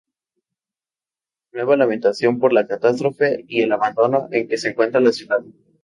Nueva lamentación por la catástrofe y el abandono en que se encuentra la ciudad.